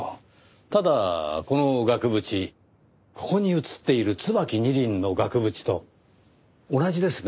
ただこの額縁ここに写っている『椿二輪』の額縁と同じですね。